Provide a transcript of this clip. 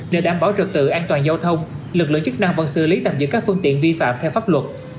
để đảm bảo trực tự an toàn giao thông lực lượng chức năng vẫn xử lý tạm giữ các phương tiện vi phạm theo pháp luật